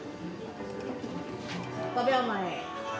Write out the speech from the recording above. ５秒前。